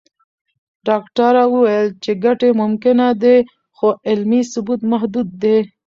ډاکټره وویل چې ګټې ممکنه دي، خو علمي ثبوت محدود دی.